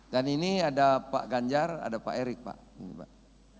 dan ini ada pak ganjar ada pak erik pak